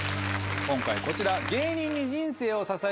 今回こちら。